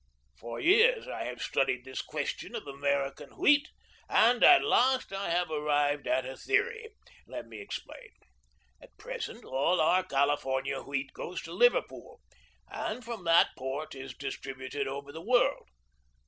For years, I have studied this question of American wheat, and at last, I have arrived at a theory. Let me explain. At present, all our California wheat goes to Liverpool, and from that port is distributed over the world.